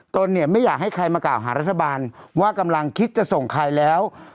ตนเนี่ยไม่อยากให้ใครมากล่าวหารัฐบาลว่ากำลังคิดจะส่งใครแล้ว